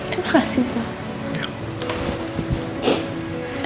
terima kasih pak